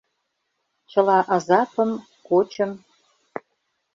Чыла азапым, кочым